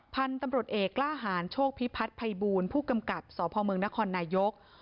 พันธุ์ตำรวจเอกกล้าหารโชคพิพัฒน์ภัยบูลผู้กำกับสพเมืองนครนายก